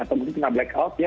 atau mungkin pernah black out ya